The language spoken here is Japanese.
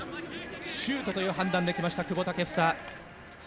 シュートという判断できました久保建英。